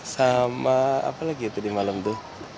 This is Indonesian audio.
sama apa lagi itu di malam itu